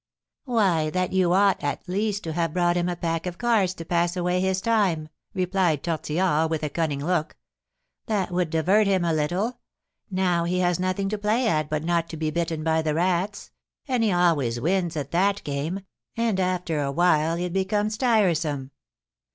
"Why, that you ought, at least, to have brought him a pack of cards to pass away his time," replied Tortillard, with a cunning look; "that would divert him a little; now he has nothing to play at but not to be bitten by the rats; and he always wins at that game, and after awhile it becomes tiresome."